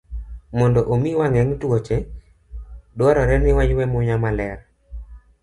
Mondo omi wageng' tuoche, dwarore ni waywe muya maler.